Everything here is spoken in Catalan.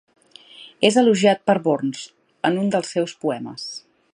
És elogiat per Burns en un dels seus poemes.